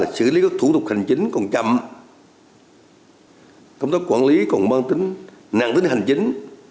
xử lý các thủ tục hành chính còn chậm công tác quản lý còn mang tính năng tính hành chính